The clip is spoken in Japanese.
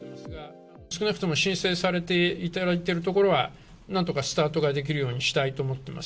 少なくとも申請されていただいているところは、なんとかスタートができるようにしたいと思ってます。